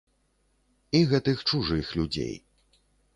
І гэтых чужых людзей.